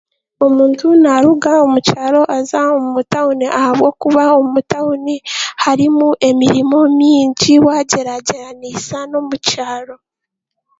Omuntu naaruga omu kyaro aza omu tawuni ahabwokuba omu tawuni hariimu emiriimo mingi waagyeragyeranisa n'omu kyaaro.